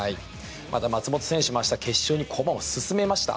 松元選手も明日の決勝に駒を進めました。